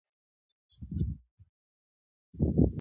پر غوږونو ښې لګېږي او خوږې دي-